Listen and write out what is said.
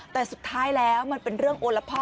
แต่สุดท้ายแล้วมันเป็นเรื่องโอละพ่อ